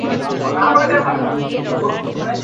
অগ্নিপূজায় প্রথমে নরবলির বিধান ছিল।